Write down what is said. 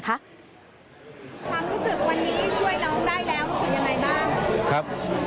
ความรู้สึกวันนี้ช่วยน้องได้แล้วรู้สึกยังไงบ้าง